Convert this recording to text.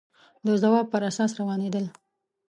د ځواب پر اساس روانېدل